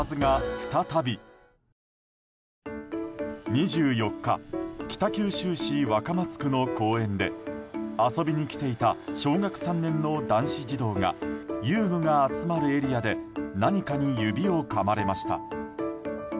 ２４日北九州市若松区の公園で遊びに来ていた小学３年の男子児童が遊具が集まるエリアで何かに指をかまれました。